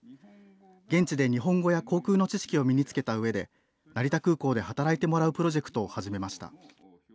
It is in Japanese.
現地で日本語や航空の知識を身に付けたうえで成田空港で働いてもらうプロジェクトを始めました。